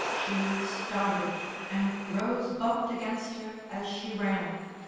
She started, and Rose bumped against her as she ran.